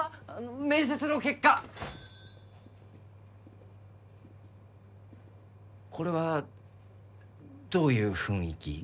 面接の結果これはどういう雰囲気？